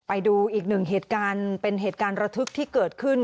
ไปดูอีกหนึ่งเหตุการณ์เป็นเหตุการณ์ระทึกที่เกิดขึ้น